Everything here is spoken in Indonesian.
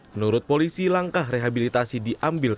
menurut polisi langkah rehabilitasi diambil